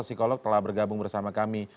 psikolog telah bergabung bersama kami